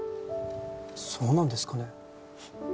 そうなんですかね？